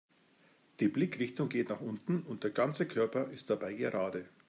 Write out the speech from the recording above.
Die Blickrichtung geht nach unten und der ganze Körper ist dabei gerade.